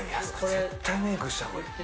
絶対メイクした方がいい。